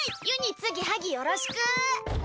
ゆにつぎはぎよろしく！